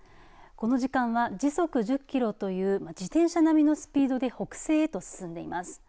この時間は時速１０キロという自転車並みのスピードで北西へと進んでいます。